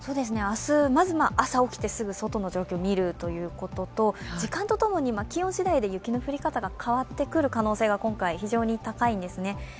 明日、まず朝起きてすぐ外の状況を見るということと、時間とともに、気温しだいで雪の降り方が変わってくる可能性が非常に高いんですね。